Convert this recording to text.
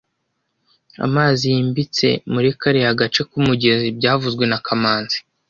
Amazi yimbitse muri kariya gace k'umugezi byavuzwe na kamanzi